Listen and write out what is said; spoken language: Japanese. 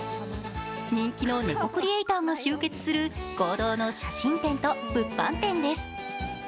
人気の猫クリエイターが集結する合同の写真展と物販展です。